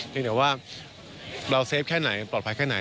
แต่เดี๋ยวว่าเราเซฟแค่ไหนปลอดภัยแค่ไหน